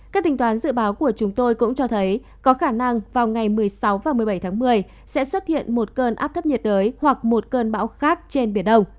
các tính toán dự báo của chúng tôi cũng cho thấy có khả năng vào ngày một mươi sáu và một mươi bảy tháng một mươi sẽ xuất hiện một cơn áp thấp nhiệt đới hoặc một cơn bão khác trên biển đông